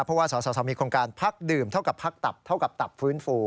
เพราะว่าสสมีโครงการพักดื่มเท่ากับพักตับเท่ากับตับฟื้นฟู